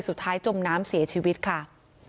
สุดท้ายจมน้ำเสียชีวิตค่ะ